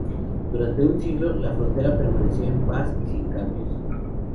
Durante un siglo, la frontera permaneció en paz y sin cambios.